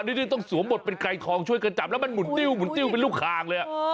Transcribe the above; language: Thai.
นี่ต้องสวมหมดเป็นไก่คลองช่วยกันจับแล้วมันหมุนติ้วเป็นลูกคางเลยอ่ะ